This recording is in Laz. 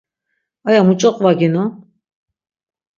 Aya muç̌o qvaginon?